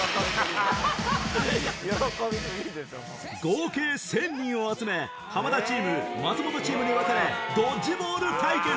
合計１０００人を集め浜田チーム松本チームに分かれドッジボール対決